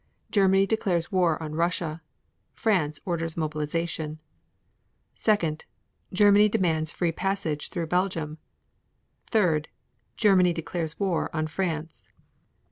Germany declares war on Russia. 1. France orders mobilization. 2. Germany demands free passage through Belgium. 3. Germany declares war on France.